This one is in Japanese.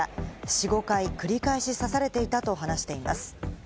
４５回繰り返し刺されていたと話しています。